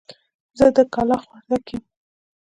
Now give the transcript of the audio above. زه د کلاخ وردک يم.